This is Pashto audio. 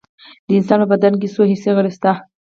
د انسان په بدن کې څو حسي غړي شته